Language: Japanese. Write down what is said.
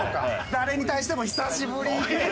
誰に対しても「久しぶり！」。